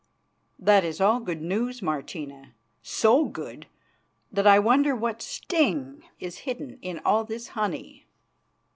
"That is all good news, Martina; so good that I wonder what sting is hidden in all this honey."